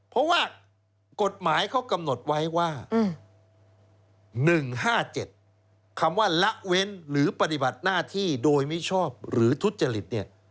เพราะว่ากฎหมายเขากำหนดไว้ว่า๑๕๗คำว่าละเว้นหรือปฏิบัติหน้าที่โดยมิชอบหรือทุจริตเนี่ย